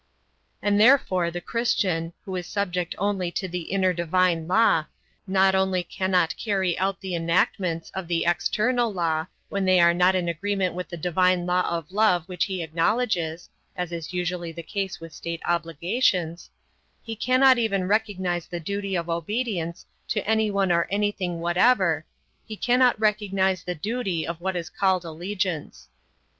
And therefore the Christian, who is subject only to the inner divine law, not only cannot carry out the enactments of the external law, when they are not in agreement with the divine law of love which he acknowledges (as is usually the case with state obligations), he cannot even recognize the duty of obedience to anyone or anything whatever, he cannot recognize the duty of what is called allegiance.